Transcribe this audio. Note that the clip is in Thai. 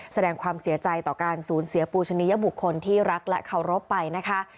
แสดงความเสียใจต่อการสูญเสียปูชนิยบุคคลที่รักและเคารพไปนะคะ